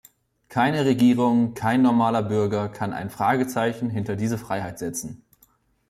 Keine Regierung, kein normaler Bürger kann ein Fragezeichen hinter diese Freiheit setzen.